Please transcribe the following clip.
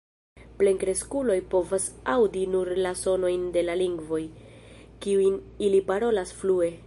Plenkreskuloj povas aŭdi nur la sonojn de la lingvoj, kiujn ili parolas flue.